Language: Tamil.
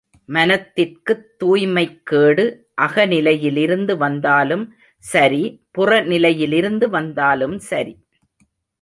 மனத்திற்குத் தூய்மைக்கேடு அகநிலையிலிருந்து வந்தாலும் சரி, புற நிலையிலிருந்து வந்தாலும் சரி!